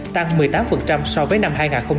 tăng một mươi tám so với năm hai nghìn hai mươi